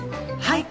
はい。